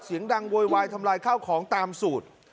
เสียงดังโวยวายทำลายข้าวของตามสูตร